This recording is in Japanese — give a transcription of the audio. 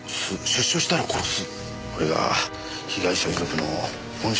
「出所したら殺す」。